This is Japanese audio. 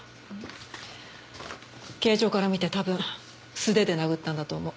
形状から見て多分素手で殴ったんだと思う。